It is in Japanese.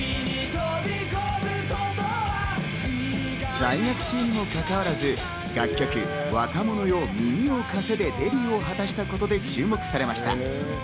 在学中にもかかわらず楽曲『若者よ、耳を貸せ』でデビューを果たしたことで注目されました。